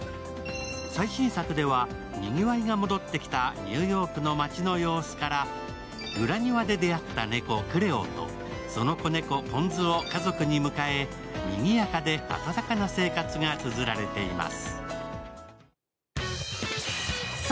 最新作ではにぎわいが戻ってきたニューヨークの街の様子から裏庭で出会った猫、クレオとその子猫、ポンズを家族に迎え賑やかで温かな生活がつづられています。